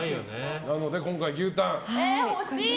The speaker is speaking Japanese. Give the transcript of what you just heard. なので今回、牛タン。